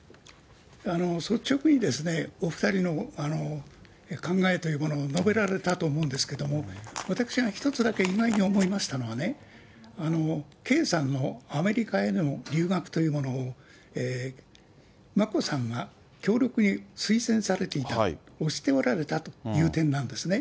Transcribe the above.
率直にお２人の考えというものが述べられたと思うんですけども、私が１つだけ意外に思いましたのはね、圭さんのアメリカへの留学というものを眞子さんが強力に推薦されていた、推しておられたという点なんですね。